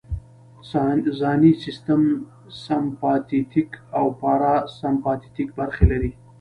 ځانی سیستم سمپاتیتیک او پاراسمپاتیتیک برخې لري